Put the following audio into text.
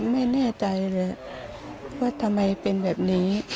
ไม่แน่ใจเลยว่าทำไมเป็นแบบนี้